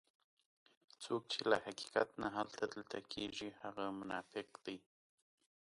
څوک چې له حقیقت نه هلته دلته کېږي هغه منافق دی.